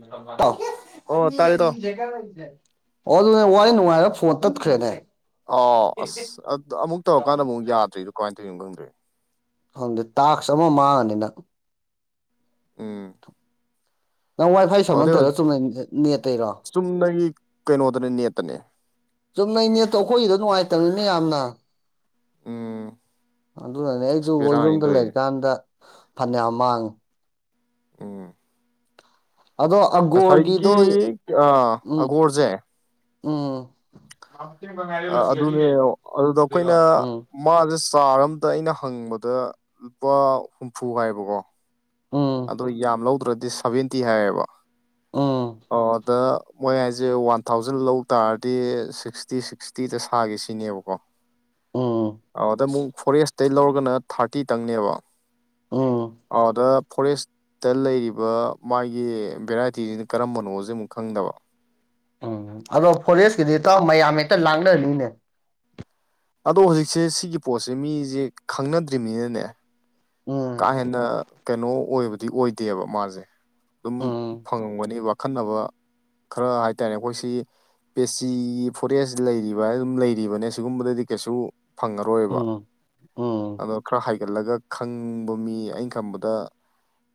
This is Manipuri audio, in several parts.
ꯏꯇꯥꯎ ꯑꯣ ꯇꯥꯔꯦ ꯇꯥꯎ ꯑꯣ ꯑꯗꯨꯅꯦ ꯋꯥꯔꯤ ꯅꯨꯡꯉꯥꯏꯔꯒ ꯐꯣꯟ ꯇꯠꯈ꯭ꯔꯦꯅꯦ ꯑ ꯑꯁ ꯑꯃꯨꯛ ꯇꯧꯔꯀꯥꯟꯗ ꯑꯃꯨꯛ ꯌꯥꯗ꯭ꯔꯤꯗꯣ ꯀꯃꯥꯏꯅ ꯇꯧꯔꯤꯅꯣ ꯈꯪꯗ꯭ꯔꯦ ꯈꯪꯗꯦ ꯇꯥꯛꯁ ꯑꯃ ꯃꯥꯡꯉꯅꯤ ꯅꯪ ꯎꯝ [inaudible] ꯅꯪ ꯋꯥꯏ ꯐꯥꯏ ꯁꯃꯥ ꯑꯗꯨꯗꯩ ꯇꯧꯔꯤꯔ ꯍꯧꯖꯤꯛ ꯆꯨꯝꯅꯒꯤ ꯅꯦꯠ ꯇꯩꯔꯥ ꯎꯝ ꯆꯨꯝꯅꯩ ꯅꯦꯇ ꯇꯣ ꯑꯩꯈꯣꯏꯒꯤꯗꯣ ꯅꯨꯡꯉꯥꯏꯇꯕꯅꯤꯅꯦ ꯌꯥꯝꯅ ꯎꯝ ꯑꯗꯨꯅꯅꯦ ꯑꯁ ꯑꯩꯁꯨ ꯍꯣꯢ ꯕꯦꯔꯥꯅꯤ ꯌꯨꯝꯗ ꯇꯧꯔꯤꯁꯦ ꯂꯩꯔꯤꯀꯥꯟꯗ ꯐꯅꯌꯥꯝ ꯃꯥꯡꯉꯤ ꯎꯝ ꯑꯗꯣ ꯑꯒꯣꯔꯒꯤꯗꯣ ꯉꯁꯥꯏꯒꯤ ꯑꯥ ꯎꯝ ꯑꯒꯣꯔꯁꯦ ꯎꯝ ꯉꯥꯏꯔꯦ ꯂꯁꯤ ꯑꯗꯨꯅꯦ ꯑꯗꯨꯗ ꯉꯒꯦꯀꯣ ꯑꯩꯈꯣꯏꯅ ꯎꯝ ꯃꯥꯁꯦ ꯆꯥꯔ ꯑꯃꯝꯇ ꯑꯩꯅ ꯍꯪꯕꯗ ꯂꯨꯄꯥ ꯍꯨꯝꯐꯨ ꯍꯥꯏꯕꯀꯣ ꯎꯝ ꯑꯗꯣ ꯌꯥꯝ ꯂꯧꯗ꯭ꯔꯗꯤ ꯁꯚꯦꯟꯇꯤ ꯍꯥꯏꯌꯦꯕ ꯎꯝ ꯑꯣ ꯑꯗ ꯃꯣꯏ ꯍꯥꯏꯁꯦ ꯋꯥꯟ ꯊꯥꯎꯖꯟ ꯂꯧꯇꯥꯔꯗꯤ ꯁꯤꯛꯁꯇꯤ ꯁꯤꯛꯁꯇꯤꯗ ꯁꯥꯒꯦ ꯁꯤꯅꯦꯕꯀꯣ ꯎꯝ ꯑꯗꯨꯗ ꯑꯃꯨꯛ ꯒꯣꯔꯦꯁꯇ ꯑꯇꯩ ꯂꯧꯔꯒꯅ ꯊꯥꯔꯇꯤ ꯇꯪꯅꯦꯕ ꯎꯝ ꯑꯗ ꯐꯣꯔꯦꯁꯇ ꯂꯩꯔꯤꯕ ꯃꯥꯒꯤ ꯚꯦꯔꯥꯏꯇꯤꯁꯤꯅ ꯀꯔꯝꯕꯅꯣꯁꯦ ꯑꯃꯨꯛ ꯈꯪꯗꯕ ꯎꯝ ꯑꯗꯣ ꯐꯣꯔꯦꯁꯀꯤꯗꯤ ꯏꯇꯥꯎ ꯃꯌꯥꯝ ꯍꯦꯛꯇ ꯂꯥꯡꯅꯕꯤꯅꯤꯅꯦ ꯑꯗꯣ ꯍꯧꯖꯤꯛꯁꯦ ꯁꯤꯒꯤ ꯄꯣꯠꯁꯦ ꯃꯤꯁꯦ ꯈꯪꯅꯗ꯭ꯔꯤꯕꯅꯤꯅꯅꯦ ꯀꯥ ꯎꯝ ꯍꯦꯟꯅ ꯀꯩꯅꯣ ꯑꯣꯏꯕꯗꯤ ꯑꯣꯏꯗꯦꯕ ꯃꯥꯁꯦ ꯑꯗꯨꯝ ꯎꯝ ꯐꯪꯉꯝꯒꯅꯤ ꯋꯥꯈꯟꯅꯕ ꯈꯔ ꯍꯥꯏꯇꯥꯔꯦ ꯑꯩꯈꯣꯏꯁꯤ ꯄꯦꯆꯤꯒꯤ ꯐꯣꯔꯦꯁ ꯂꯩꯔꯤꯕ ꯑꯗꯨꯝ ꯂꯩꯔꯤꯕꯅꯦ ꯁꯤꯒꯨꯝꯕꯗꯗꯤ ꯀꯩꯁꯨ ꯐꯪꯉꯔꯣꯏꯕ ꯎꯝ ꯎꯝ ꯑꯗꯣ ꯈꯔ ꯍꯥꯏꯒꯠꯂꯒ ꯈꯪ ꯍꯪꯕ ꯃꯤ ꯑꯩ ꯈꯟꯕꯗ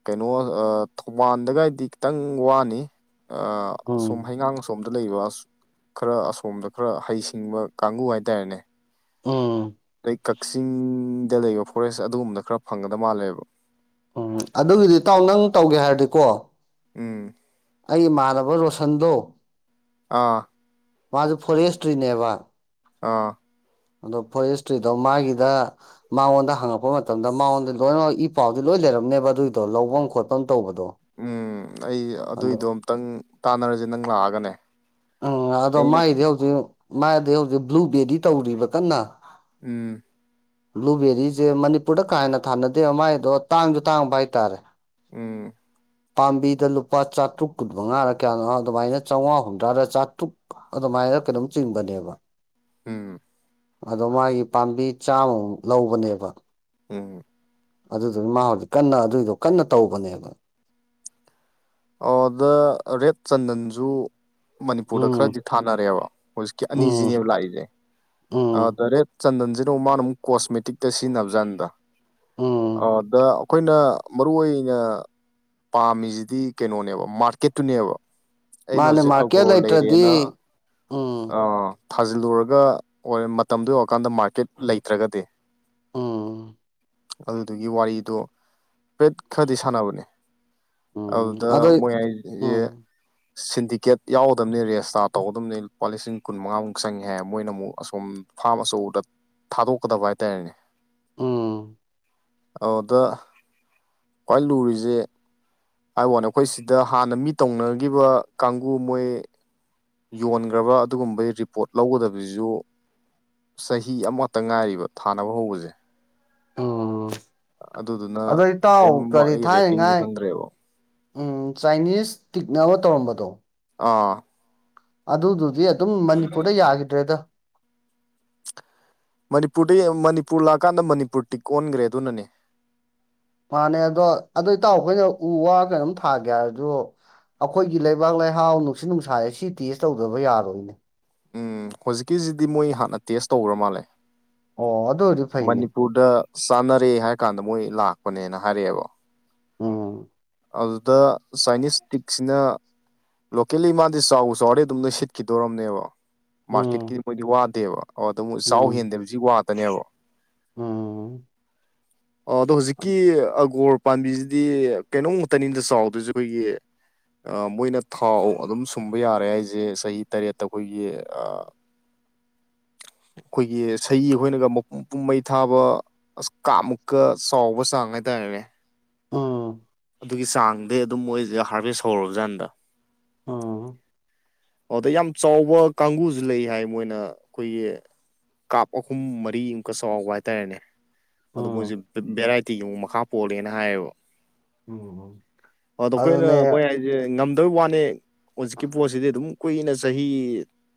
ꯀꯩꯅꯣ ꯑ ꯊꯧꯕꯥꯜꯗꯒꯥꯏꯗꯤ ꯈꯤꯇꯪ ꯋꯥꯅꯤ ꯑ ꯑꯁꯨꯝ ꯎꯝ ꯍꯩꯉꯥꯡ ꯑꯁꯣꯝꯗ ꯂꯩꯕ ꯈꯔ ꯑꯁꯣꯝꯗ ꯈꯔ ꯍꯩꯁꯤꯡꯕ ꯀꯥꯡꯕꯨ ꯍꯥꯏꯇꯥꯔꯦꯅꯦ ꯎꯝ ꯑꯗꯩ ꯀꯛꯆꯤꯡꯗ ꯂꯩꯕ ꯐꯣꯔꯦꯁ ꯑꯗꯨꯒꯨꯝꯕꯗ ꯈꯔ ꯐꯪꯒꯗꯕ ꯃꯥꯜꯂꯦꯕ ꯎꯝ ꯑꯗꯨꯒꯤꯗꯤ ꯏꯇꯥꯎ ꯅꯪ ꯇꯧꯒꯦ ꯍꯥꯏꯔꯗꯤꯀꯣ ꯎꯝ ꯑꯩ ꯏꯃꯥꯟꯅꯕ ꯔꯣꯁꯟꯗꯣ ꯑꯥ ꯃꯥꯖꯨ ꯐꯣꯔꯦꯁꯇ꯭ꯔꯤꯅꯦꯕ ꯑꯥ ꯑꯗꯣ ꯐꯣꯔꯦꯁꯇ꯭ꯔꯤꯗꯣ ꯃꯥꯒꯤꯗ ꯃꯉꯣꯟꯗ ꯍꯪꯉꯛꯄ ꯃꯇꯝꯗ ꯃꯉꯣꯟꯗ ꯂꯣꯏꯅꯃꯛ ꯏ ꯄꯥꯎꯗꯤ ꯂꯣꯏ ꯂꯩꯔꯝꯅꯦꯕ ꯑꯗꯨꯏꯗꯣ ꯂꯧꯕꯝ ꯈꯣꯠꯄꯝ ꯇꯧꯕꯗꯣ ꯎꯝ ꯑꯩ ꯑꯗꯣ ꯑꯗꯨꯏꯗꯣ ꯑꯝꯇꯪ ꯇꯥꯟꯅꯔꯖꯦ ꯅꯪ ꯂꯥꯛꯑꯒꯅꯦ ꯎꯝ ꯑꯗꯣ ꯑꯩꯅ ꯃꯥꯒꯤꯗꯤ ꯍꯧꯖꯤꯛ ꯃꯥꯥꯏꯗꯤ ꯍꯧꯖꯤꯛ ꯕ꯭ꯂꯨꯕꯦꯔꯤ ꯇꯧꯔꯤꯕ ꯀꯟꯅ ꯎꯝ ꯕ꯭ꯂꯨꯕꯦꯔꯤꯖꯦ ꯃꯅꯤꯄꯨꯔꯗ ꯀꯥ ꯍꯦꯟꯅ ꯊꯥꯟꯅꯗꯦꯕ ꯃꯥꯏꯗꯣ ꯇꯥꯡꯖꯨ ꯇꯥꯡꯕ ꯍꯥꯏꯇꯥꯔꯦ ꯎꯝ ꯄꯥꯝꯕꯤꯗ ꯂꯨꯄꯥ ꯆꯥꯇ꯭ꯔꯨꯛ ꯀꯨꯟꯃꯉꯥꯔꯥ ꯀꯌꯥꯅꯣ ꯑꯗꯨꯃꯥꯏꯅ ꯆꯧꯉꯥꯍꯨꯟꯗ꯭ꯔꯥꯔ ꯆꯥꯇ꯭ꯔꯨꯛ ꯑꯗꯨꯃꯥꯏꯅ ꯀꯩꯅꯣꯝ ꯆꯤꯡꯕꯅꯦꯕ ꯎꯝ ꯑꯗꯣ ꯃꯥꯒꯤ ꯄꯥꯝꯕꯤ ꯆꯥꯝꯃꯃꯨꯛ ꯂꯧꯕꯅꯦꯕ ꯎꯝ ꯑꯗꯨꯗꯨꯅ ꯃꯥ ꯍꯧꯖꯤꯛ ꯀꯟꯅ ꯑꯗꯨꯏꯗꯣ ꯀꯟꯅ ꯇꯧꯕꯅꯦꯕ ꯑꯣ ꯗ ꯔꯦꯠ ꯆꯟꯗꯟꯖꯨ ꯃꯅꯤꯄꯨꯔꯗ ꯎꯝ ꯈꯔꯗꯤ ꯊꯥꯅꯔꯦꯕ ꯍꯧꯖꯤꯛꯀꯤ ꯎꯝ ꯑꯅꯤꯖꯤꯅꯦꯕ ꯂꯥꯛꯏꯖꯦ ꯎꯝ ꯑꯗ ꯔꯦꯠ ꯆꯟꯗꯟꯖꯤꯅ ꯃꯨꯛ ꯃꯥꯅꯃꯨꯛ ꯀꯣꯁꯃꯦꯇꯤꯛꯇ ꯁꯤꯖꯤꯟꯅꯕ ꯖꯥꯠꯅꯤꯗ ꯎꯝ ꯑꯣ ꯗ ꯑꯩꯈꯣꯏꯅ ꯃꯔꯨ ꯑꯣꯏꯅ ꯄꯥꯝꯃꯤꯖꯤꯗꯤ ꯀꯩꯅꯣꯅꯦꯕ ꯃꯥꯔꯀꯦꯠꯇꯨꯅꯦꯕ ꯑꯩꯅ ꯃꯥꯅꯦ ꯍꯧꯖꯤꯛ ꯃꯥꯔꯀꯦꯠ ꯑꯒꯣꯔ ꯂꯩꯇ꯭ꯔꯗꯤ ꯂꯩꯔꯦꯅ ꯎꯝ ꯑꯥ ꯊꯥꯖꯤꯜꯂꯨꯔꯒ ꯑꯣꯏ ꯃꯇꯝꯗꯣ ꯌꯧꯔꯀꯥꯟꯗ ꯃꯥꯔꯀꯦꯠ ꯂꯩꯇ꯭ꯔꯒꯗꯤ ꯎꯝ ꯑꯗꯨꯗꯨꯒꯤ ꯋꯥꯔꯤꯗꯨ ꯄꯦꯠ ꯈꯔꯗꯤ ꯁꯥꯟꯅꯕꯅꯦ ꯎꯝ ꯇ ꯑꯗꯩ ꯃꯣꯏ ꯍꯥꯏꯖꯦ ꯎꯝ ꯁꯤꯟꯗꯤꯀꯦꯠ ꯌꯥꯎꯒꯗꯝꯅꯤ ꯔꯦꯖꯇꯥꯔ ꯇꯧꯒꯗꯝꯅꯤ ꯂꯨꯄꯥ ꯂꯤꯁꯤꯡ ꯀꯨꯟ ꯃꯉꯥꯃꯨꯛ ꯆꯪꯉꯦꯍꯥꯏ ꯃꯣꯏꯅ ꯑꯃꯨꯛ ꯑꯁꯣꯝ ꯐꯥꯝ ꯑꯆꯧꯕꯗ ꯊꯥꯗꯣꯛꯀꯗꯕ ꯍꯥꯏꯇꯥꯔꯦꯅꯦ ꯎꯝ ꯑꯗ ꯈ꯭ꯋꯥꯏ ꯂꯨꯔꯤꯖꯦ ꯍꯥꯏ ꯋꯥꯅꯦ ꯑꯩꯈꯣꯏ ꯁꯤꯗ ꯍꯥꯟꯅ ꯃꯤ ꯇꯧꯅꯒꯤꯕ ꯀꯥꯡꯒꯨ ꯃꯣꯏ ꯌꯣꯟꯒ꯭ꯔꯕ ꯑꯗꯨꯒꯨꯝꯕꯒꯤ ꯔꯤꯄꯣꯠ ꯂꯧꯒꯗꯕꯖꯤꯖꯨ ꯆꯍꯤ ꯑꯃꯈꯇ ꯉꯥꯏꯔꯤꯕ ꯊꯥꯅꯕ ꯍꯧꯕꯖꯦ ꯎꯝ ꯑꯗꯨꯗꯨꯅ ꯑꯗꯣ ꯏꯇꯥꯎ ꯀꯩꯝ ꯀꯔꯤ ꯃꯥꯒꯤ ꯔꯦꯇꯤꯡꯁꯦ ꯊꯥꯏꯉꯥꯏ ꯈꯪꯗ꯭ꯔꯦꯕ ꯎꯝ ꯆꯥꯏꯅꯤꯁ ꯇꯤꯛꯅ ꯑꯃ ꯇꯧꯔꯝꯕꯗꯣ ꯑꯥ ꯑꯗꯨꯗꯨꯗꯤ ꯑꯗꯨꯝ ꯃꯅꯤꯄꯨꯔꯗ ꯌꯥꯒꯤꯗ꯭ꯔꯦꯗ ꯃꯅꯤꯄꯨꯔꯗ ꯃꯅꯤꯄꯨꯔ ꯂꯥꯛꯀꯥꯟꯗ ꯃꯅꯤꯄꯨꯔ ꯇꯤꯛ ꯑꯣꯟꯈ꯭ꯔꯦ ꯑꯗꯨꯅꯅꯦ ꯃꯥꯅꯦ ꯑꯗꯣ ꯑꯗꯨ ꯏꯇꯥꯎ ꯑꯩꯈꯣꯏꯅ ꯎ ꯋꯥ ꯀꯩꯅꯣꯝ ꯊꯥꯒꯦ ꯍꯥꯏꯔꯁꯨ ꯑꯩꯈꯣꯏꯒꯤ ꯂꯩꯕꯥꯛ ꯂꯩꯍꯥꯎ ꯅꯨꯡꯁꯤꯠ ꯅꯨꯡꯁꯥꯏ ꯑꯁꯤ ꯇꯦꯁ ꯇꯧꯗꯕ ꯌꯥꯔꯣꯏꯅꯦ ꯎꯝ ꯍꯧꯖꯤꯛꯀꯤꯁꯤꯗꯤ ꯃꯣꯏ ꯍꯥꯟꯅ ꯇꯦꯁ ꯇꯧꯈ꯭ꯔ ꯃꯥꯜꯂꯦ ꯑꯣ ꯑꯗ ꯐꯥꯏꯅꯤ ꯗ ꯆꯥꯟꯅꯔꯦ ꯍꯥꯏꯔ ꯀꯥꯟꯗ ꯃꯣꯏ ꯂꯥꯛꯄꯅꯦꯅ ꯍꯥꯏꯔꯛꯑꯦꯕ ꯎꯝ ꯑꯗꯨꯗ ꯁꯥꯏꯅꯤꯁ ꯇ ꯁꯤꯅ ꯂꯣꯀꯦꯜꯂꯤ ꯃꯥꯗꯤ ꯆꯥꯎ ꯆꯥꯎꯔꯗꯤ ꯑꯗꯨꯝ ꯅꯣꯏ ꯁꯤꯠꯈꯤꯗꯣꯔꯔꯕꯅꯦꯕ ꯎꯝ ꯃꯥꯔꯀꯦꯠꯀꯤꯗꯤ ꯃꯣꯏꯗꯤ ꯋꯥꯗꯦꯕꯗ ꯆꯥꯎ ꯍꯦꯟꯗꯦꯕꯁꯤ ꯋꯥꯗꯅꯦꯕ ꯑꯣ ꯑ ꯑꯗꯣ ꯍꯧꯖꯤꯛꯀꯤ ꯑꯒꯣꯔ ꯄꯥꯝꯕꯤꯁꯤꯗꯤ ꯀꯩꯅꯣꯝꯃꯛꯇꯅꯤꯗ ꯆꯥꯎꯗꯣꯏꯁꯦ ꯑꯩꯈꯣꯏꯒꯤ ꯃꯣꯏꯅ ꯊꯥꯎ ꯑꯗꯨꯝ ꯁꯨꯝꯕ ꯌꯥꯔꯦ ꯍꯥꯏꯁꯦ ꯆꯍꯤ ꯇꯔꯦꯠꯇ ꯑꯩꯈꯣꯏꯒꯤ ꯑꯩꯈꯣꯏꯒꯤ ꯁꯍꯤ ꯑꯩꯈꯣꯏꯅꯒ ꯃꯄꯨꯝ ꯃꯩ ꯊꯥꯕ ꯑꯁ ꯀꯥ ꯃꯨꯛꯀ ꯆꯥꯎꯕ ꯆꯥꯡ ꯍꯥꯏꯇꯥꯔꯦꯅꯦ ꯎꯝ ꯑꯗꯨꯒꯤ ꯆꯥꯡꯗꯤ ꯑꯗꯨꯝ ꯃꯣꯏꯁꯤꯒ ꯍꯥꯔꯚꯦꯁ ꯍꯧꯔꯕꯖꯥꯟꯗ ꯑꯣ ꯑꯗ ꯌꯥꯝ ꯆꯥꯎꯕ ꯀꯥꯡꯒꯕꯨꯁꯨ ꯂꯩ ꯍꯥꯏ ꯃꯣꯏꯅ ꯑꯩꯈꯣꯏꯒꯤ ꯀꯥꯞ ꯑꯍꯨꯝ ꯃꯔꯤꯃꯨꯛꯀ ꯆꯥꯎꯕ ꯍꯥꯏꯇꯥꯔꯦꯅꯦ ꯑꯗꯣ ꯃꯣꯏꯁꯦ ꯎꯝ ꯚꯦꯔꯥꯏꯇꯤꯒꯨꯝꯨ ꯃꯈꯥ ꯄꯣꯜꯂꯦꯅ ꯍꯥꯏꯌꯦꯕ ꯎꯝ ꯑꯗꯣ ꯑꯩꯈꯣꯏꯅ ꯑꯗꯨꯅꯦ ꯃꯣꯏ ꯍꯥꯏꯁꯦ ꯉꯝꯗꯕ ꯋꯥꯅꯦ ꯍꯧꯖꯤꯛꯀꯤ ꯄꯣꯠꯁꯤꯗꯤ ꯑꯗꯨꯝ ꯀꯈꯨꯏꯅ ꯆꯍꯤ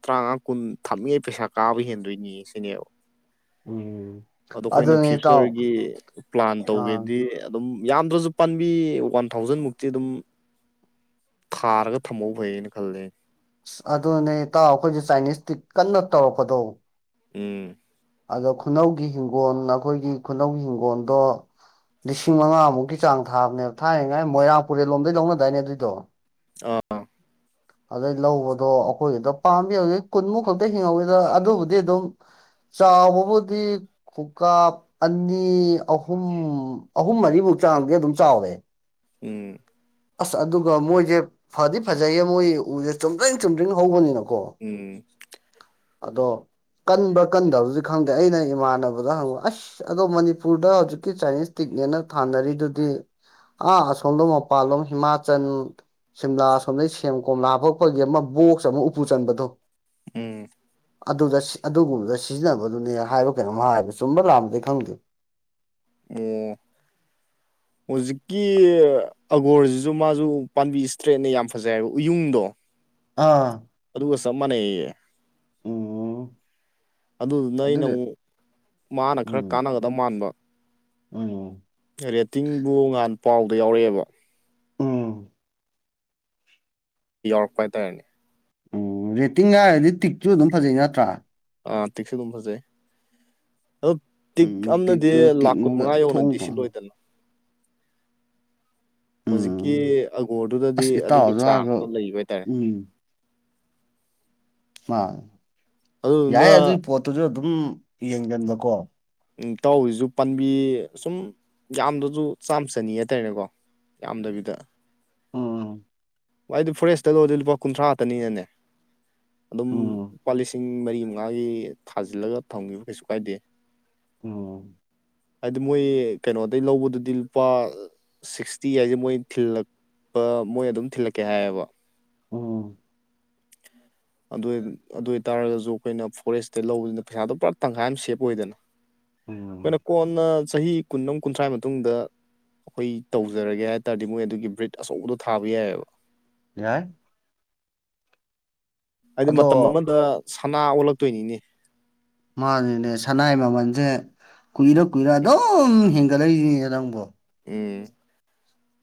ꯇꯔꯥꯃꯉꯥ ꯀꯨꯟ ꯊꯝꯃꯤꯉꯩ ꯄꯩꯁꯥ ꯀꯥꯕ ꯍꯦꯟꯗꯣꯏꯅꯤ ꯁꯤꯅꯦꯕ ꯎꯝ ꯑꯗꯣ ꯑꯩꯈꯣꯏꯅ ꯑꯗꯨꯅꯦ ꯏꯇꯥꯎ ꯐ꯭ꯌꯨꯆꯔꯒꯤ ꯄ꯭ꯂꯥꯟ ꯑ ꯇꯧꯒꯦꯗꯤ ꯑꯗꯨꯝ ꯌꯥꯝꯗ꯭ꯔꯁꯨ ꯄꯥꯟꯕꯤ ꯋꯥꯟ ꯊꯥꯎꯖꯟ ꯃꯨꯛꯇꯤ ꯑꯗꯨꯝ ꯊꯥꯔꯒ ꯊꯝꯃꯧ ꯐꯩꯅ ꯈꯜꯂꯦ ꯑ ꯑꯗꯨꯅꯦꯇꯥꯎ ꯑꯩꯈꯣꯏꯁꯦ ꯆꯥꯏꯅꯤꯁ ꯇꯤꯛ ꯀꯟꯅ ꯇꯧꯔꯛꯄꯗꯣ ꯎꯝ ꯑꯗꯣ ꯈꯨꯅꯧꯒꯤ ꯍꯤꯡꯒꯣꯜ ꯑꯩꯈꯣꯏꯒꯤ ꯈꯨꯅꯧꯒꯤ ꯍꯤꯡꯒꯣꯜꯗꯣ ꯂꯤꯁꯤꯡ ꯃꯉꯥꯃꯨꯛꯀꯤ ꯆꯥꯡ ꯊꯥꯕꯅꯦꯕ ꯊꯥꯏꯅꯉꯥꯏ ꯃꯣꯏꯔꯥꯡ ꯄꯨꯨꯔꯦꯜ ꯂꯣꯝꯗꯩ ꯂꯧꯅꯗꯥꯏꯅꯦ ꯑꯗꯨꯏꯗꯣ ꯑ ꯑꯗꯩ ꯂꯧꯕꯗꯣ ꯑꯩꯈꯣꯏꯒꯤꯗ ꯄꯥꯝꯕꯤꯩ ꯀꯨꯟꯃꯨꯛ ꯈꯛꯇ ꯍꯤꯡꯍꯧꯏꯗ ꯑꯗꯨꯕꯨꯗꯤ ꯑꯗꯨꯝ ꯆꯥꯎꯥꯕꯕꯨꯗꯤ ꯈꯨꯀꯥꯞ ꯑꯅꯤ ꯑꯍꯨꯝ ꯑꯍꯨꯝ ꯃꯔꯤꯃꯨꯛ ꯆꯥꯡꯗꯤ ꯑꯗꯨꯝ ꯆꯥꯎꯋꯦ ꯎꯝ ꯑꯁ ꯑꯗꯨꯒ ꯃꯣꯏꯁꯦ ꯐꯗꯤ ꯐꯖꯩꯌꯦ ꯃꯣꯏ ꯎꯁꯦ ꯆꯨꯝꯗ꯭ꯔꯤꯡ ꯆꯨꯝꯗ꯭ꯔꯤꯡ ꯍꯧꯕꯅꯤꯅꯀꯣ ꯎꯝ ꯑꯗꯣ ꯀꯟꯕ꯭ꯔꯥ ꯀꯟꯗꯕꯗꯤ ꯈꯪꯗꯦ ꯑꯩꯅ ꯏꯃꯥꯟꯅꯕꯗ ꯍꯪꯕ ꯑꯁ ꯑꯁ ꯑꯗꯣ ꯃꯅꯤꯄꯨꯔꯗ ꯍꯧꯖꯤꯛꯀꯤ ꯆꯥꯏꯅꯤꯁ ꯇꯤꯛꯅꯦꯅ ꯊꯥꯅꯔꯤꯗꯨꯗꯤ ꯑꯥ ꯑꯁꯣꯝꯗ ꯄꯥꯜꯂꯣꯝ ꯍꯤꯃꯥꯆꯜ ꯁꯤꯝꯂꯥ ꯁꯣꯝꯗꯩ ꯁꯦꯝ ꯀꯣꯝꯂꯥ ꯐꯛ ꯄꯒꯤ ꯑꯃ ꯕꯣꯛꯁ ꯑꯃ ꯎꯄꯨ ꯆꯟꯕꯗꯣ ꯎꯝ ꯑꯗꯨꯗ ꯑꯗꯨꯒꯨꯝꯕꯗ ꯁꯤꯖꯤꯟꯅꯕꯗꯨꯅꯦ ꯍꯥꯏꯕ ꯀꯩꯅꯣꯝꯃ ꯍꯥꯏꯕ ꯆꯨꯝꯕ ꯂꯥꯟꯕꯔꯗꯤ ꯈꯪꯗꯦ ꯑꫭ ꯍꯧꯖꯤꯛꯀꯤ ꯑꯒꯣꯔꯖꯤꯖꯨ ꯃꯥꯁꯨ ꯄꯥꯝꯕꯤ ꯏꯁꯇ꯭ꯔꯦꯠꯅꯦ ꯌꯥꯝ ꯐꯖꯩ ꯍꯥꯏꯕ ꯎꯌꯨꯡꯗꯣ ꯑꯥ ꯑꯗꯨꯒ ꯆꯞ ꯃꯥꯟꯅꯩꯌꯦꯌꯦ ꯎꯝ ꯑꯗꯨꯗꯨꯅ ꯑꯩꯅ ꯑꯗꯨꯗꯤ ꯑꯃꯨꯛ ꯃꯥꯅ ꯈꯔ ꯀꯥꯟꯅꯗ ꯃꯥꯟꯕ ꯑꯣ ꯔꯦꯇꯤꯡꯕꯨ ꯉꯍꯥꯟ ꯄꯥꯎꯗ ꯌꯥꯎꯔꯛꯑꯦꯕ ꯎꯝ ꯌꯥꯎꯔꯛꯄ ꯍꯥꯏꯇꯥꯔꯦ ꯎꯝ ꯔꯦꯇꯤꯡ ꯍꯥꯏꯔꯗꯤ ꯇꯤꯛꯁꯨ ꯑꯗꯨꯝ ꯐꯖꯩ ꯅꯠꯇ꯭ꯔꯥ ꯑꯥꯇꯤꯛꯁꯨ ꯑꯗꯨꯝ ꯐꯖꯩ ꯑꯗꯨ ꯇꯤꯛ ꯎꯝ ꯑꯝꯅꯗꯤ ꯄꯤꯛꯁꯨ ꯂꯥꯛ ꯀꯨꯟ ꯇꯤꯛꯉꯨꯒ ꯃꯪꯉꯥ ꯊꯣꯡ ꯌꯧꯅꯗꯤ ꯊꯣꯡ ꯁꯤꯂꯣꯏꯗꯅ ꯍꯧꯖꯤꯛꯀꯤ ꯎꯝ ꯑꯒꯣꯔꯗꯨꯗꯗꯤ ꯑꯁ ꯑꯗꯨꯒꯤ ꯏꯇꯥꯎꯁꯨ ꯍꯥꯏꯕ ꯆꯥꯟꯇꯣ ꯂꯩꯕ ꯍꯥꯏꯇꯥꯔꯦ ꯎꯝ ꯃꯥ ꯌꯥꯏ ꯑꯗꯨꯗꯨꯅ ꯑꯗꯨꯒꯤ ꯄꯣꯠꯇꯨꯁꯨ ꯑꯗꯨꯝ ꯌꯦꯡꯒꯟꯕꯀꯣ ꯎꯝ ꯇꯧꯔꯤꯖꯨ ꯄꯥꯝꯕꯤ ꯁꯨꯝ ꯌꯥꯝꯗꯁꯨ ꯆꯥꯝ ꯆꯅꯤ ꯍꯥꯏꯇꯥꯔꯦꯅꯦꯀꯣ ꯌꯥꯝꯗꯕꯤꯗ ꯎꯝ ꯋꯥꯏꯗꯤ ꯐꯣꯔꯦꯁꯇ ꯂꯧꯔꯗꯤ ꯂꯨꯄꯥ ꯀꯨꯟꯊ꯭ꯔꯥ ꯈꯛꯅꯤꯅꯅꯦ ꯑꯗꯨꯝ ꯎꯝ ꯂꯨꯄꯥ ꯂꯤꯁꯤꯡ ꯃꯔꯤꯃꯨꯛ ꯉꯥꯒꯤ ꯊꯥꯖꯤꯜꯂꯒ ꯊꯝꯈꯤꯕ ꯀꯩꯁꯨ ꯀꯥꯏꯗꯦ ꯎꯝ ꯍꯥꯏꯗꯤ ꯃꯣꯏ ꯀꯩꯅꯣꯗꯩ ꯂꯧꯕꯗꯨꯗꯤ ꯂꯨꯄꯥ ꯁꯤꯛꯁꯇꯤ ꯍꯥꯏꯁꯦ ꯃꯣꯏ ꯊꯤꯜꯂꯛꯄ ꯃꯣꯏ ꯑꯗꯨꯝ ꯊꯤꯜꯂꯛꯀꯦ ꯍꯥꯏꯌꯦꯕ ꯎꯝ ꯑꯗꯨ ꯑꯗꯨ ꯑꯣꯏ ꯇꯥꯔꯒꯁꯨ ꯑꯩꯈꯣꯏꯅ ꯐꯣꯔꯦꯁꯇꯩ ꯂꯧꯕꯅꯤꯅ ꯄꯩꯁꯥꯗꯣ ꯄꯨꯔꯥ ꯇꯪꯈꯥꯏ ꯑꯃ ꯁꯦꯞ ꯑꯣꯏꯗꯅ ꯎꯝ ꯑꯩꯈꯣꯏꯅ ꯀꯣꯟꯅ ꯆꯍꯤ ꯀꯨꯟꯃ ꯀꯨꯟꯊ꯭ꯔꯥ ꯃꯇꯨꯡꯗ ꯑꯩꯈꯣꯏ ꯇꯧꯖꯔꯒꯦ ꯍꯥꯏ ꯇꯥꯔꯗꯤ ꯃꯣꯏ ꯑꯗꯨꯒꯤ ꯕ꯭ꯔꯤꯠ ꯑꯆꯧꯕꯗꯣ ꯊꯥꯕ ꯌꯥꯏꯌꯣꯕ ꯌꯥꯏ ꯍꯥꯏꯗꯤ ꯑꯗꯣ ꯃꯇꯝ ꯑꯃꯗ ꯁꯅꯥ ꯑꯣꯜꯂꯛꯇꯣꯏꯅꯤꯅꯦ ꯃꯥꯅꯤꯅꯦ ꯁꯅꯥꯏ ꯃꯃꯜꯖꯦ ꯀꯨꯏꯔ ꯀꯨꯏꯔ ꯎꯝ ꯑꯗꯨꯝ ꯍꯦꯟꯒꯠꯂꯛꯏꯅꯦ ꯅꯪꯕꯣ ꯑꯦ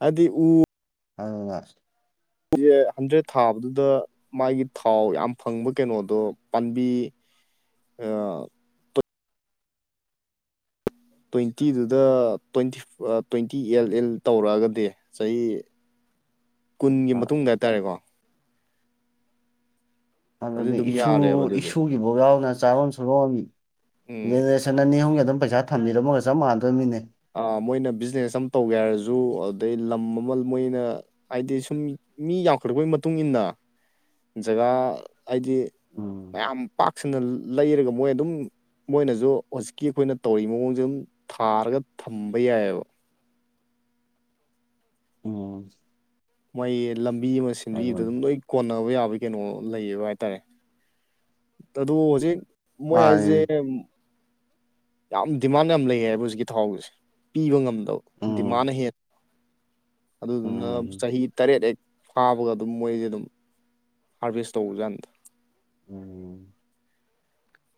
ꯑꯗꯤ ꯎ ꯑꯗꯨꯅ ꯎꯖꯦ ꯍꯟꯗ꯭ꯔꯦꯠ ꯊꯥꯕꯗꯨꯗ ꯃꯥꯒꯤ ꯊꯥꯎ ꯌꯥꯝ ꯐꯪꯕ ꯀꯩꯅꯣꯗꯣ ꯄꯥꯝꯕꯤ ꯇ꯭ꯋꯦꯟꯇꯤꯗꯨꯗ ꯇ꯭ꯋꯦꯟꯇꯤ ꯇ꯭ꯋꯦꯟꯇꯤ ꯑꯦꯜ ꯑꯦꯜ ꯇꯧꯔꯛꯑꯒꯗꯤ ꯆꯍꯤ ꯀꯨꯟꯒꯤ ꯃꯇꯨꯡꯗ ꯍꯥꯏꯇꯥꯔꯦꯀꯣ ꯑꯗꯨ ꯑꯗꯨꯗꯤ ꯑꯗꯨꯝ ꯏꯁꯨ ꯌꯥꯔꯦꯕ ꯑꯗꯨꯗꯤ ꯏꯁꯨꯒꯤꯐꯥꯎ ꯌꯥꯎꯅ ꯆꯥꯔꯣꯟ ꯎꯝ ꯁꯨꯔꯣꯟꯖꯦꯅꯦ ꯁꯟ ꯑꯅꯤ ꯑꯍꯨꯝꯒꯤ ꯑꯗꯨꯝ ꯄꯩꯁꯥ ꯊꯝꯕꯤꯔꯝꯕꯒ ꯆꯞ ꯃꯥꯟꯗꯣꯏꯃꯤꯅꯦ ꯑ ꯃꯣꯏꯅ ꯕꯤꯖꯤꯅꯦꯁ ꯑꯃ ꯇꯧꯒꯦ ꯍꯥꯏꯔꯁꯨ ꯑꯗꯩ ꯂꯝ ꯑꯃ ꯃꯣꯏꯅ ꯍꯥꯏꯗꯤ ꯁꯨꯝ ꯃꯤ ꯌꯥꯝꯈꯠꯂꯛꯄꯒꯤ ꯃꯇꯨꯡ ꯏꯟꯅ ꯖꯒꯥ ꯍꯥꯏꯗꯤ ꯎꯝ ꯃꯌꯥꯝ ꯄꯥꯛ ꯁꯟꯅ ꯂꯩꯔꯒ ꯃꯣꯏ ꯑꯗꯨꯝ ꯃꯣꯏꯅꯁꯨ ꯍꯧꯖꯤꯛꯀꯤ ꯑꯩꯈꯣꯏꯅ ꯇꯧꯔꯤꯕ ꯃꯑꯣꯡꯁꯦ ꯑꯗꯨꯝ ꯊꯥꯔꯒ ꯊꯝꯕ ꯌꯥꯏꯌꯦꯕ ꯎꯝ ꯃꯒꯤ ꯂꯝꯕꯤ ꯑꯃ ꯁꯦꯝꯟꯕꯤꯕꯗ ꯑꯗꯨꯅꯤ ꯑꯗꯨꯝ ꯂꯣꯏ ꯀꯣꯟꯅꯕ ꯌꯥꯕꯒꯤ ꯀꯩꯅꯣ ꯂꯩꯌꯦꯕ ꯍꯥꯏꯇꯥꯔꯦ ꯑꯗꯨ ꯍꯧꯖꯤꯛ ꯃꯣꯏ ꯍꯥꯏꯁꯦ ꯃꯥꯅꯤ ꯌꯥꯝ ꯗꯤꯃꯥꯟ ꯌꯥꯝ ꯂꯩ ꯍꯥꯏꯕ ꯍꯧꯖꯤꯛꯀꯤ ꯊꯥꯎꯁꯦ ꯄꯤꯕ ꯉꯝꯗꯕ ꯎꯝ ꯗꯤꯃꯥꯟꯅ ꯍꯦꯟꯅ ꯑꯗꯨꯗꯨꯅ ꯎꯝ ꯆꯍꯤ ꯇꯔꯦꯠ ꯍꯦꯛ ꯐꯥꯕꯒ ꯑꯗꯨꯝ ꯃꯣꯏꯁꯦ ꯑꯗꯨꯝ ꯍꯥꯔꯚꯦꯁ ꯇꯧꯕꯖꯥꯅꯤꯗ ꯎꯝ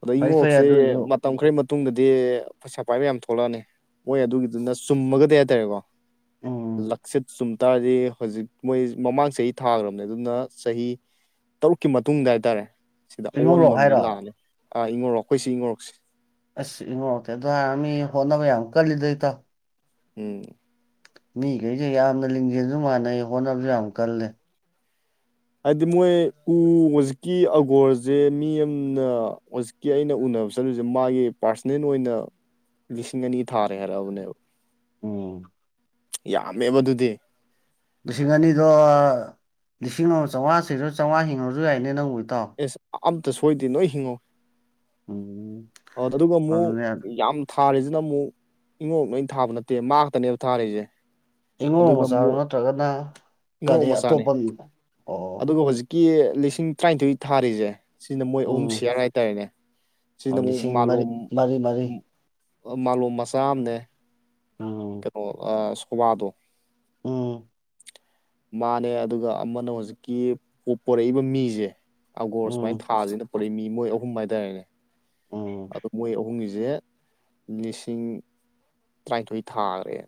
ꯑꯗ ꯐꯩ ꯐꯩ ꯏꯉꯣꯔꯣꯛꯁꯦ ꯑꯗꯨꯁꯨ ꯃꯇꯝ ꯈꯔꯒꯤ ꯃꯇꯨꯡꯗꯗꯤ ꯄꯩꯁꯥ ꯄꯥꯏꯕ ꯌꯥꯝ ꯊꯣꯛꯂꯛꯑꯅꯤ ꯃꯣꯏ ꯑꯗꯨꯒꯤꯗꯨꯅ ꯆꯨꯝꯃꯒꯗꯤ ꯍꯥꯏꯇꯥꯔꯦꯀꯣ ꯎꯝ ꯂꯛꯆꯠ ꯆꯨꯝꯇꯥꯔꯗꯤ ꯍꯧꯖꯤꯛ ꯃꯣꯏ ꯃꯃꯥꯡ ꯆꯍꯤ ꯊꯥꯈ꯭ꯔꯕꯅꯦ ꯑꯗꯨꯅ ꯆꯍꯤ ꯇꯔꯨꯛꯀꯤ ꯃꯇꯨꯡꯗ ꯍꯥꯏꯇꯥꯔꯦ ꯁꯤꯗ ꯑꯑꯣꯟꯕ ꯏꯉꯧꯔꯣꯛ ꯑꯃꯗꯤ ꯍꯥꯏꯔꯣ ꯂꯥꯛꯑꯅꯤ ꯑ ꯏꯉꯧꯔꯣꯛ ꯑꯩꯈꯣꯏ ꯁꯤ ꯏꯉꯧꯔꯣꯛꯁꯦ ꯑꯁ ꯏꯉꯧꯔꯣꯛ ꯇꯤ ꯑꯗꯔ ꯃꯤ ꯍꯣꯠꯅꯕ ꯌꯥꯝ ꯀꯜꯂꯤꯗ ꯏꯇꯣ ꯍꯝ ꯃꯤꯈꯩꯁꯦ ꯌꯥꯝꯅ ꯂꯤꯡꯖꯦꯜꯁꯨ ꯃꯥꯟꯅꯩ ꯍꯣꯠꯅꯕꯁꯨ ꯌꯥꯝ ꯀꯜꯂꯦ ꯍꯥꯏꯗꯤ ꯃꯣꯏ ꯎ ꯍꯧꯖꯤꯛꯀꯤ ꯑꯒꯣꯔꯁꯦ ꯃꯤ ꯑꯃꯅꯖꯤ ꯀꯤ ꯑꯩꯅ ꯎꯅꯕ ꯆꯠꯂꯨꯁꯦ ꯃꯥꯒꯤ ꯄꯥꯔꯁꯅꯦꯜ ꯑꯣꯏꯅ ꯂꯤꯁꯤꯡ ꯑꯅꯤ ꯊꯥꯔꯦ ꯍꯥꯏꯔꯛꯑꯕꯅꯦꯕ ꯎꯝ ꯌꯥꯝꯃꯦꯕ ꯑꯗꯨꯗꯤ ꯂꯤꯁꯤꯡ ꯑꯅꯤꯗꯣ ꯂꯤꯁꯤꯡ ꯑꯃ ꯆꯥꯝꯃꯉꯥꯁꯤꯁꯨ ꯆꯥꯝꯉꯥ ꯍꯤꯡꯉꯨꯔꯁꯨ ꯌꯥꯏꯅꯦ ꯅꯪꯕꯨꯒꯤꯇꯣ ꯑꯦꯁ ꯑꯝꯇ ꯁꯣꯏꯗꯦ ꯅꯣꯏ ꯍꯤꯡꯉꯧ ꯎꯝ ꯑ ꯑꯗꯨꯒ ꯑꯃꯨꯛ ꯑꯗꯨꯅꯦ ꯌꯥꯝ ꯊꯥꯔꯤꯁꯤꯅ ꯑꯃꯨꯛ ꯏꯉꯣꯛ ꯂꯣꯏ ꯊꯥꯕ ꯅꯠꯇꯦ ꯉꯥꯛꯛꯇꯅꯦꯕ ꯊꯥꯔꯤꯁꯦ ꯏꯉꯣꯔꯣꯡ ꯑꯗꯨꯒ ꯃꯆꯥꯔꯣ ꯑꯃꯨꯛ ꯅꯠꯇ꯭ꯔꯒꯅ ꯏꯉꯧ ꯀꯗ ꯑꯇꯣꯞꯄ ꯃꯤ ꯑꯣ ꯀꯦ ꯂꯤꯁꯤꯡ ꯇꯔꯥꯅꯤꯊꯣꯏ ꯊꯥꯔꯤꯁꯦ ꯁꯤꯅ ꯃꯣꯏ ꯑꯍꯨꯝ ꯎꯝ ꯁꯤꯌꯥꯔ ꯍꯥꯏꯇꯥꯔꯦꯅꯦ ꯁꯤꯁꯤꯅ ꯑꯃꯨꯛ ꯂꯤꯁꯤꯡ ꯃꯔꯤ ꯃꯥꯂꯣꯝ ꯃꯔꯤ ꯃꯔꯤ ꯃꯥꯂꯣꯝ ꯃꯆꯥ ꯑꯃꯅꯦ ꯎꯝ ꯀꯩꯅꯣ ꯁꯀꯕꯥꯗꯣ ꯎꯝ ꯃꯥꯅꯦ ꯑꯗꯨꯒ ꯑꯃꯅ ꯍꯧꯖꯤꯛꯀꯤ ꯄꯣꯔꯛꯏꯕ ꯃꯤꯁꯦ ꯑꯒꯣꯔ ꯁꯨꯃꯥꯏꯅ ꯎꯝ ꯊꯥꯁꯤꯅ ꯄꯨꯔꯛꯏ ꯃꯤ ꯃꯣꯏ ꯑꯍꯨꯝ ꯍꯥꯏꯇꯥꯔꯦꯅꯦ ꯎꯝ ꯑꯗꯨ ꯃꯣꯏ ꯑꯍꯨꯝꯒꯤꯁꯦ ꯂꯤꯁꯤꯡ ꯇꯔꯥꯅꯤꯊꯣꯏ ꯊꯥꯈ꯭ꯔꯦ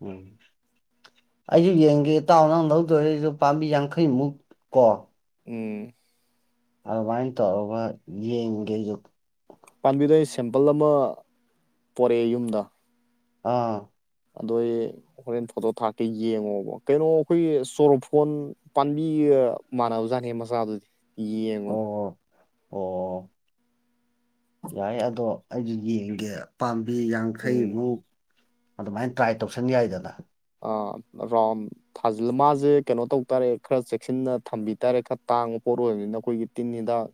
ꯎꯝ ꯑꯩꯁꯨ ꯌꯦꯡꯒꯦ ꯇꯥꯎꯅ ꯅꯪ ꯂꯧꯗꯣꯏꯔꯁꯨ ꯄꯥꯝꯕꯤ ꯌꯥꯡꯈꯩꯃꯨꯛ ꯀꯣ ꯎꯝ ꯑꯗꯨꯃꯥꯏ ꯇꯧꯔꯒꯥ ꯌꯦꯡꯒꯦ ꯄꯥꯟꯕꯤꯗꯣ ꯑꯩꯅ ꯁꯦꯝꯄꯜ ꯑꯃ ꯄꯣꯔꯛꯑꯦ ꯌꯨꯝꯗ ꯑꯥ ꯑꯗꯣ ꯑꯩ ꯍꯣꯔꯦꯟ ꯐꯣꯇꯣ ꯊꯥꯔꯛꯀꯦ ꯌꯦꯡꯉꯣꯕ ꯀꯩꯅꯣ ꯑꯩꯈꯣꯏꯒꯤ ꯆꯣꯔꯣꯐꯣꯟ ꯄꯥꯟꯕꯤ ꯃꯅꯥꯕꯖꯥꯠꯅꯦ ꯃꯆꯥ ꯗꯨꯗꯤ ꯌꯦꯡ ꯑꯣ ꯑꯣ ꯌꯥꯏ ꯑꯗꯣ ꯑꯩꯁꯨ ꯌꯦꯡꯒꯦ ꯄꯥꯝꯕꯤ ꯎꯝ ꯌꯥꯡꯈꯩꯃꯨꯛ ꯑꯗꯨꯃꯥꯏꯅ ꯇ꯭ꯔꯥꯏ ꯇꯧꯁꯟ ꯌꯥꯏꯗꯅ ꯑꯥ ꯔꯣꯝ ꯊꯥꯖꯤꯜ ꯃꯥꯁꯦ ꯀꯩꯅꯣ ꯇꯧ ꯇꯥꯔꯦ ꯈꯔ ꯆꯦꯛꯁꯤꯟꯅ ꯊꯝꯕꯤ ꯇꯥꯔꯦ ꯈꯔ ꯇꯥꯡꯕ ꯄꯣꯠ ꯑꯣꯏꯕꯅꯤꯅ ꯑꯩꯈꯣꯏꯒꯤ ꯇꯤꯟꯍꯤꯗꯥꯛ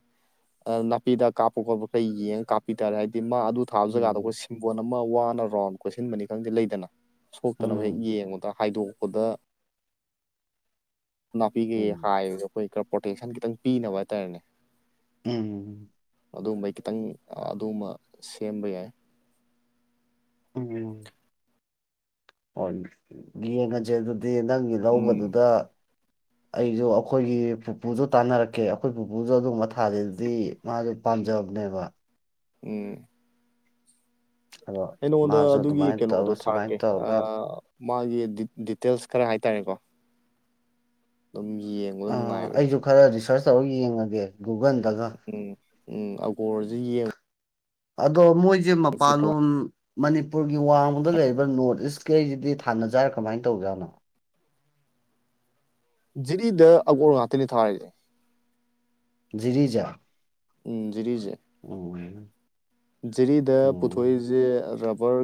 ꯅꯥꯄꯤꯍꯤꯗꯥꯛ ꯀꯥꯞꯄ ꯈꯣꯠꯄ ꯀꯩ ꯌꯦꯡꯉ ꯀꯥꯞꯄꯤ ꯇꯥꯔꯦ ꯍꯥꯏꯕꯗꯤ ꯃꯥ ꯑꯗꯨ ꯊꯥꯕ ꯖꯒꯥꯗꯣ ꯑꯩꯈꯣꯏ ꯎꯝ ꯁꯤꯝꯕꯣꯟ ꯑꯃ ꯋꯥꯅ ꯔꯥꯎꯟ ꯀꯣꯏꯁꯤꯟꯕꯅꯤ ꯈꯪꯗꯦ ꯂꯩꯗꯅ ꯎꯝ ꯁꯣꯛꯇꯅꯕ ꯍꯦꯛ ꯌꯦꯡꯕꯗ ꯍꯥꯏꯗꯣꯛꯄꯗ ꯅꯥꯄꯤꯒꯤ ꯎꯝ ꯍꯥꯏꯕꯗꯣ ꯑꯩꯈꯣꯏ ꯈꯔ ꯄ꯭ꯔꯣꯇꯦꯛꯁꯟ ꯈꯤꯇꯪ ꯄꯤꯅꯕ ꯍꯥꯏꯇꯥꯔꯦꯅꯦ ꯎꯝ ꯑꯗꯨꯒꯨꯝꯕꯩ ꯈꯤꯇꯪ ꯑꯗꯨꯃ ꯁꯦꯝꯕ ꯌꯥꯏ ꯎꯝ ꯍꯣꯏ ꯌꯦꯡꯉꯁꯦ ꯑꯗꯨꯗꯤ ꯅꯪꯒꯤ ꯎꯝ ꯂꯧꯕꯗꯨꯗ ꯑꯩꯁꯨ ꯑꯩꯈꯣꯏꯒꯤ ꯄꯨꯄꯨꯁꯨ ꯇꯥꯟꯅꯔꯛꯀꯦ ꯑꯩꯈꯣꯏ ꯄꯨꯄꯨꯁꯨ ꯑꯗꯨꯒꯨꯝꯕ ꯊꯥꯗꯦ ꯑꯗꯨꯗꯤ ꯃꯥꯁꯦ ꯄꯥꯝꯖꯕꯅꯦꯕ ꯎꯝ ꯑꯗꯣ ꯑꯩ ꯅꯉꯣꯟꯗ ꯃꯥꯁꯨ ꯑꯗꯨꯒꯤ ꯑꯗꯨꯃꯥꯏꯅ ꯀꯩꯅꯣꯗꯣ ꯇꯧꯔꯒ ꯁꯨꯃꯥꯏꯅ ꯊꯥꯔꯛꯀꯦ ꯑ ꯇꯧꯔꯒ ꯃꯥꯒꯤ ꯗꯤ ꯗꯤꯇꯦꯜꯁ ꯈꯔ ꯍꯥꯏꯇꯥꯔꯦꯀꯣ ꯑꯗꯨꯝ ꯌꯦꯡꯕꯗꯣ ꯑꯥ ꯅꯨꯡꯉꯥꯏꯕꯅꯦ ꯑꯩꯁꯨ ꯈꯔ ꯔꯤꯁ꯭ꯔꯁ ꯇꯧꯔꯒ ꯌꯦꯡꯉꯒꯦ ꯒꯨꯒꯜꯗꯒ ꯎꯝ ꯎꯝ ꯑꯒꯣꯔꯁꯦ [inaudible] ꯑꯗꯣ ꯃꯣꯏꯖꯦ ꯌꯦꯡꯉ ꯃꯄꯥꯟꯂꯣꯝ ꯃꯅꯤꯄꯨꯔꯒꯤ ꯋꯥꯡꯃꯗ ꯂꯩꯔꯤꯕ ꯅꯣꯔ꯭ꯠ ꯏꯁꯀꯩꯖꯤꯗꯤ ꯊꯥꯅꯖꯥꯠꯔꯥ ꯀꯃꯥꯏꯅ ꯇꯧꯖꯥꯠꯅꯣ ꯖꯤꯔꯤꯗ ꯑꯒꯣꯔ ꯉꯥꯛꯇꯅꯤ ꯊꯥꯔꯤꯖꯦ ꯖꯤꯔꯤꯖꯦ ꯎꯝ ꯖꯤꯔꯤꯖꯦ [unintelligible] ꯖꯤꯔꯤꯗ ꯎꯝ ꯄꯨꯊꯣꯛꯏꯖꯦ ꯔꯕꯔ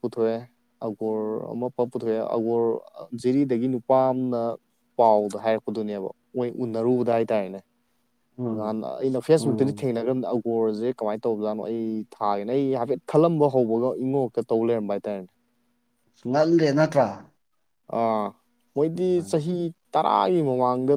ꯄꯨꯊꯣꯛꯑꯦ ꯑꯒꯣꯔ ꯑꯃ ꯄ ꯄꯨꯊꯣꯛꯑꯦ ꯑꯒꯣꯔ ꯖꯤꯔꯤꯗꯒꯤ ꯅꯨꯄꯥ ꯑꯃꯅ ꯄꯥꯎꯗ ꯍꯥꯏꯔꯛꯄꯗꯨꯅꯦꯕ ꯃꯣꯏ ꯎꯅꯔꯨꯕꯗ ꯍꯥꯏꯇꯥꯔꯦꯅꯦ ꯎꯝ ꯉꯍꯥꯟ ꯑꯩꯅ ꯐꯦꯁꯕꯨꯛ ꯇꯗꯤ ꯎꯝ ꯊꯦꯡꯅꯈ꯭ꯔꯕꯅꯦ ꯑꯒꯣꯔꯖꯦ ꯀꯃꯥꯏꯅ ꯇꯧꯕꯖꯥꯅꯣ ꯑꯩ ꯊꯥꯒꯦꯅ ꯑꯩ ꯍꯥꯏꯐꯦꯠ ꯈꯜꯂꯝꯕ ꯍꯧꯕꯒ ꯏꯉꯣꯔꯣꯛꯇ ꯇꯧ ꯂꯩꯔꯝꯕ ꯍꯥꯏꯇꯥꯔꯦꯅꯦ ꯉꯜꯂꯦ ꯅꯠꯇ꯭ꯔꯥ ꯑꯥ ꯃꯣꯏꯗꯤ ꯆꯍꯤ ꯇꯔꯥꯒꯤ ꯃꯃꯥꯡꯗ